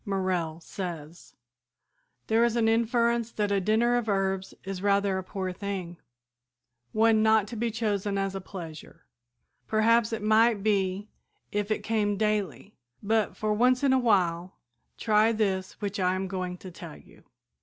Morrell says: "There is an inference that a dinner of herbs is rather a poor thing, one not to be chosen as a pleasure. Perhaps it might be if it came daily, but, for once in a while, try this which I am going to tell you.